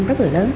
rất là lớn